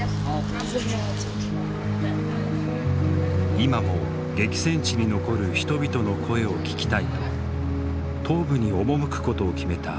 今も激戦地に残る人々の声を聞きたいと東部に赴くことを決めたアナスタシヤ。